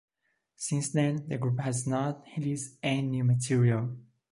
Since then the group has not released any new material.